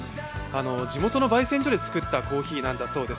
地元のばい煎所で作ったコーヒーなんだそうです。